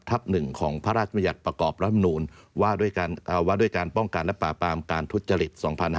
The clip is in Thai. ๑ของพระราชมัญญัติประกอบรัฐมนูลว่าด้วยการป้องกันและปราบปรามการทุจริต๒๕๕๙